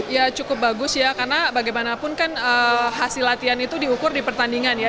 ya cukup bagus ya karena bagaimanapun kan hasil latihan itu diukur di pertandingan ya